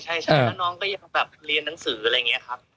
ใช่แล้วน้องก็ยังแบบเรียนหนังสืออะไรอย่างนี้ครับ